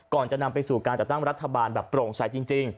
ก่อนจะนำไปสู่การจัดตั้งรัฐบาลแบบโปร่งใสจริง